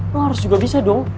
lo harus juga bisa dong